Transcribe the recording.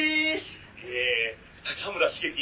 「えー高村茂樹